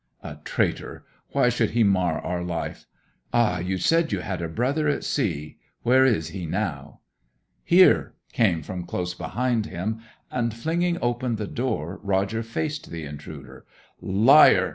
'A traitor! Why should he mar our life? Ah! you said you had a brother at sea where is he now?' 'Here!' came from close behind him. And flinging open the door, Roger faced the intruder. 'Liar!'